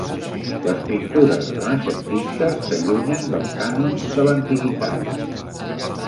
Les pintures renaixentistes s'allunyen del cànon de l'Antiguitat.